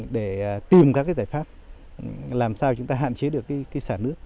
để tìm các giải pháp làm sao chúng ta hạn chế được xả nước